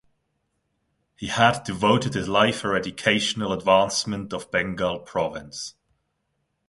He had devoted his life for educational advancement of Bengal province.